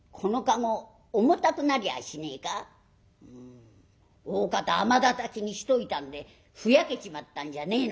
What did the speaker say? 「うんおおかた雨だたきにしといたんでふやけちまったんじゃねえのかい？」。